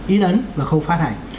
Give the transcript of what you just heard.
ít ấn và khâu phát hành